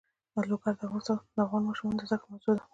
لوگر د افغان ماشومانو د زده کړې موضوع ده.